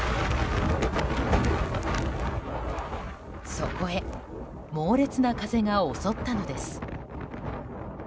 そこへ猛烈な風が襲ったのです。